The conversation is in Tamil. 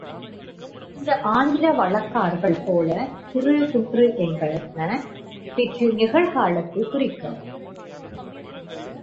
இந்த ஆங்கில வழக்காறுகள் போல, கிறு கின்று என்பன பெற்று நிகழ்காலத்தைக் குறிக்கும்.